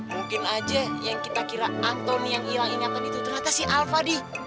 mungkin aja yang kita kira antoni yang hilang ingatan itu ternyata sih alfa deh